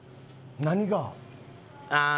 何が？